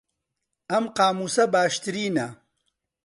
ئەم قامووسە باشترینە.